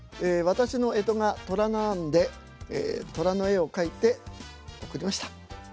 私のえとがとらなんでとらの絵を描いて送りました。